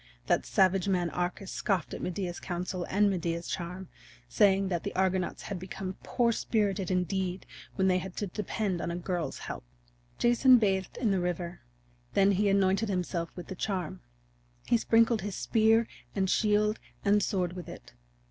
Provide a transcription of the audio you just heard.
That savage man Arcas scoffed at Medea's counsel and Medea's charm, saying that the Argonauts had become poor spirited indeed when they had to depend upon a girl's help. Jason bathed in the river; then he anointed himself with the charm; he sprinkled his spear and shield and sword with it.